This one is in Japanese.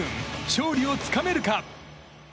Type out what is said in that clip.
勝利をつかめるか？